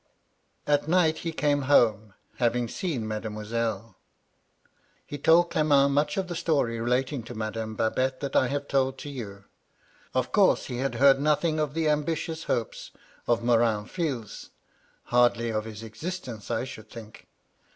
" At night he came home, — having seen Mademoi selle. He told Clement much of the story relating to Madame Babette that I have told to you. Of course, he had heard nothing of the ambitious hopes of Morin Fils, — ^hardly of his existence, I should think.